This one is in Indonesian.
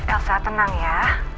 elsa tenang ya